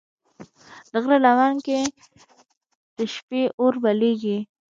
د غره لمن کې د شپې اور بلېږي.